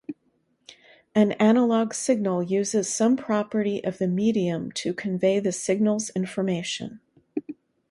An analog signal uses some property of the medium to convey the signal's information.